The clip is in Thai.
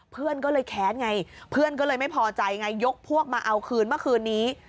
เพื่อนก็เลยแค้นไงเพื่อนก็เลยไม่พอใจไงยกพวกมาเอาคืนเมื่อคืนนี้